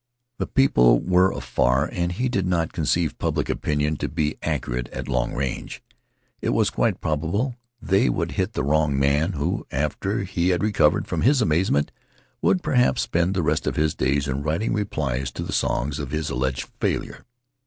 The people were afar and he did not conceive public opinion to be accurate at long range. It was quite probable they would hit the wrong man who, after he had recovered from his amazement would perhaps spend the rest of his days in writing replies to the songs of his alleged failure.